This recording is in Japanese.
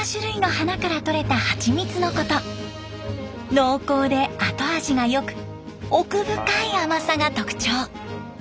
濃厚で後味が良く奥深い甘さが特徴。